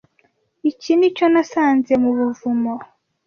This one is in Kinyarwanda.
Iki nicyo nasanze mu buvumo.